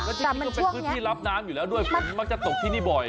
แล้วที่นี่ก็เป็นพื้นที่รับน้ำอยู่แล้วด้วยฝนมักจะตกที่นี่บ่อย